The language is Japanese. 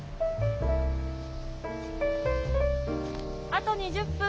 あと２０分です。